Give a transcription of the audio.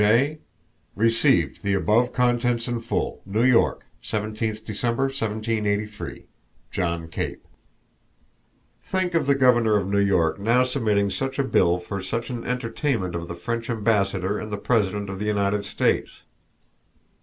JAY Received the above Contents in full New York 17th December 1783 JOHN CAPE Think of the Governor of New York now submitting such a bill for such an entertainment of the French Ambassador and the President of the United States!